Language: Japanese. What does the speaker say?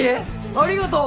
ありがとう。